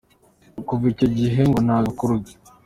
Kuva icyo gihe ngo nta gakuru ke.